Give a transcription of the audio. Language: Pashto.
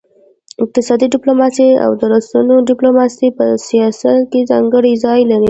اقتصادي ډيپلوماسي او د رسنيو ډيپلوماسي په سیاست کي ځانګړی ځای لري.